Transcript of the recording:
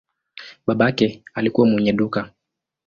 Babake alikuwa mwenye duka.